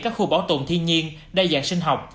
các khu bảo tồn thiên nhiên đa dạng sinh học